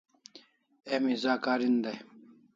Emi za karin dai